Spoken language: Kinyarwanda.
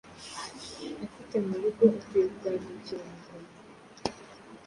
afite, mu rugo akwiye kugandukira umugabo.”